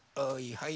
はい！